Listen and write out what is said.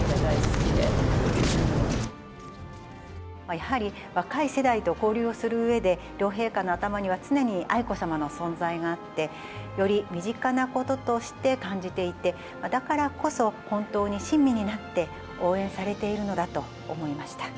やはり、若い世代と交流をするうえで、両陛下の頭には常に愛子さまの存在があって、より身近なこととして感じていて、だからこそ、本当に親身になって、応援されているのだと思いました。